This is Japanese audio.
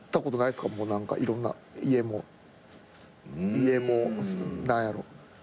家も何やろう？